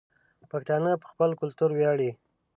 پښتانه په خپل کلتور وياړي